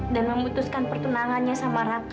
memutuskan pertunangannya sama raka